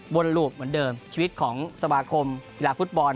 วนรูปเหมือนเดิมชีวิตของสวาคมฟุตบอล